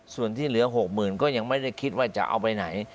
ส่วนที่เหลือ๖๐๐๐ก็ยังไม่ได้คิดว่าจะเอาไปไหน